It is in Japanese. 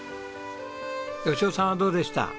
良雄さんはどうでした？